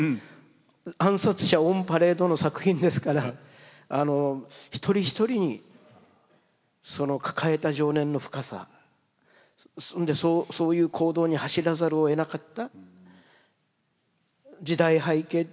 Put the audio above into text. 暗殺者オンパレードの作品ですから一人一人にその抱えた情念の深さそういう行動に走らざるをえなかった時代背景と個人的背景。